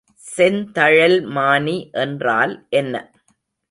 செந்தழல்மானி என்றால் என்ன?